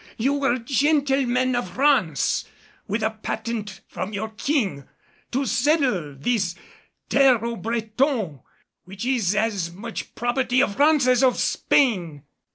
You were gentlemen of France with a patent from your King to settle in this Terre aux Bretons, which is as much the property of France as of Spain."